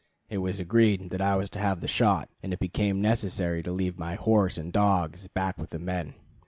It was agreed that I was to have the shot, and it became necessary to leave my horse and dogs back with the men.